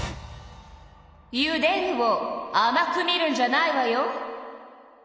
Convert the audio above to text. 「ゆでる」をあまく見るんじゃないわよ！